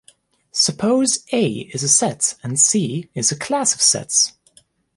Suppose "A" is a set and "C" is a class of sets.